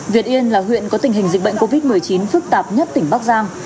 việt yên là huyện có tình hình dịch bệnh covid một mươi chín phức tạp nhất tỉnh bắc giang